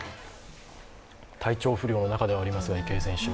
体調不良の中ではありますが池江選手